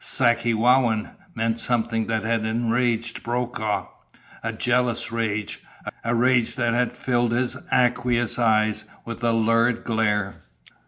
"Sakewawin" meant something that had enraged Brokaw. A jealous rage. A rage that had filled his aqueous eyes with a lurid glare.